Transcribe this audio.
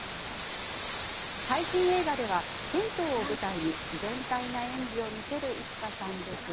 最新映画では、銭湯を舞台に自然体な演技を見せる生田さんですが。